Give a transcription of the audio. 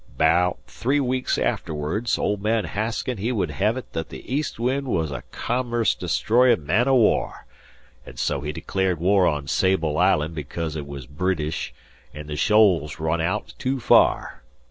'Baout three weeks afterwards, old man Hasken he would hev it that the "East Wind" was a commerce destroyin' man o' war, an' so he declared war on Sable Island because it was Bridish, an' the shoals run aout too far.